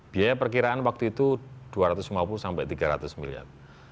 biaya perkiraan waktu itu dua ratus lima puluh sampai tiga ratus miliar